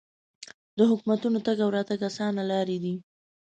د حکومتونو تګ او راتګ اسانه لارې دي.